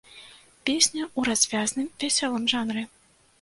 Песня ў развязным, вясёлым жанры.